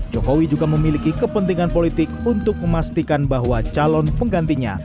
jokowi juga memiliki kepentingan politik untuk memastikan bahwa calon penggantinya